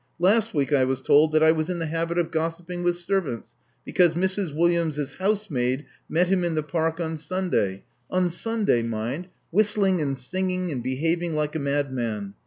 Last week I was told that I was in the habit of gossiping with servants, because Mrs. Williams' housemaid met him in the Park on Sunday — on Sunday, mind — whistling and sing ing and behaving like a madman.